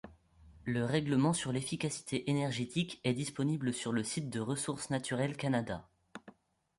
Le règlement sur l'efficacité énergétique est disponible sur le site de Ressources Naturelles Canada.